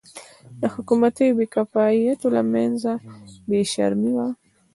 د حکومتي او بې کفایتو له منځه بې شرمي وه.